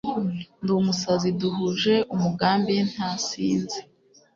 ndi umusazi duhuje umugambi , ntasinze